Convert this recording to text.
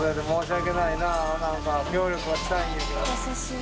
優しい。